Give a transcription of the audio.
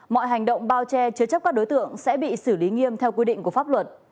mọi hành động bao che chứa chấp các đối tượng sẽ bị xử lý nghiêm theo quy định của pháp luật